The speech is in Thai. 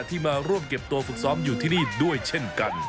ที่มาร่วมเก็บตัวฝึกซ้อมอยู่ที่นี่ด้วยเช่นกัน